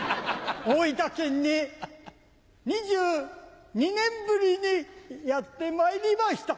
大分県に２２年ぶりにやってまいりました！